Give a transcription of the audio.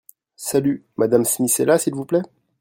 Salut ! Mme Smith est là, s'il vous plait ?